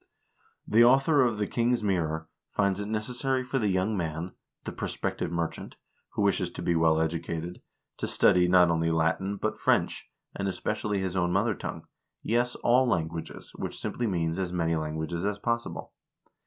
1 The author of "The King's Mirror" finds it necessary for the young man — the prospective merchant — who wishes to be well educated, to study, not only Latin, but French, and especially his own mother tongue, yes all languages, which simply means as many languages as possible.